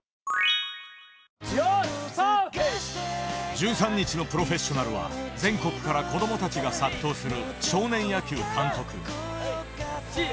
１３日の「プロフェッショナル」は全国から少年たちが殺到する少年野球監督。